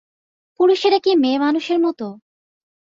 পুরুষেরা কি মেয়েমানুষের মতো?